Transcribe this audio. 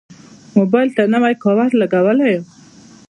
موبایل ته نوی کوور لګولی یم.